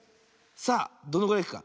さあどのぐらいいくか。